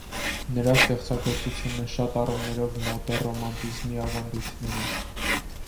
Նրա ստեղծագործությունը շատ առումներով մոտ է ռոմանտիզմի ավանդույթներին։